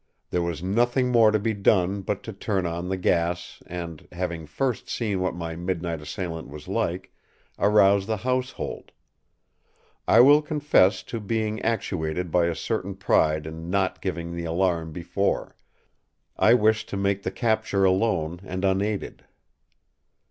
There was nothing more to be done but to turn on the gas, and, having first seen what my midnight assailant was like, arouse the household. I will confess to being actuated by a certain pride in not giving the alarm before; I wished to make the capture alone and unaided.